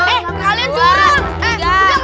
eh kalian curang